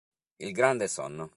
Il grande sonno